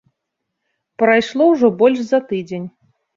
Прайшло ўжо больш за тыдзень.